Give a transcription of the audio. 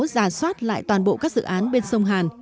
giả soát lại toàn bộ các dự án bên sông hàn